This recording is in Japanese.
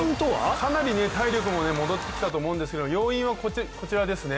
かなり体力も戻ってきたと思うんですけど要因はこちらですね。